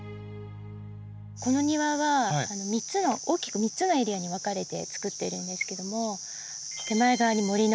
この庭は３つの大きく３つのエリアに分かれてつくっているんですけども手前側に森のエリア。